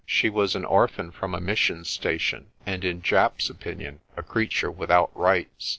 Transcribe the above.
She was an orphan from a mission station, and in Japp's opinion a creature without rights.